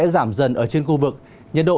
giảm dần ở trên khu vực nhiệt độ